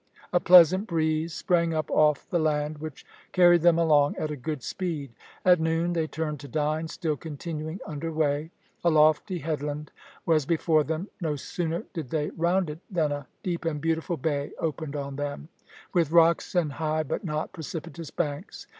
A pleasant breeze sprang up off the land, which carried them along at a good speed. At noon they turned to dine, still continuing under weigh. A lofty headland was before them. No sooner did they round it, than a deep and beautiful bay opened on them, with rocks and high but not precipitous banks.